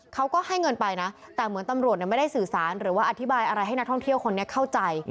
เขาก็ให้เงินไปนะแต่เหมือนตำรวจไม่ได้สื่อสารหรือว่าอธิบายอะไรให้นักท่องเที่ยวคนนี้เข้าใจ